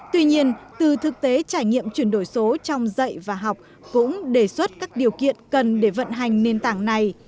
tuy nhiên từ thực tế trải nghiệm chuyển đổi số trong dạy và học cũng đề xuất các điều kiện cần để vận hành nền tảng này